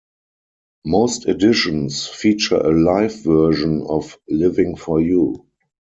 Most editions feature a live version of "Livin' for You".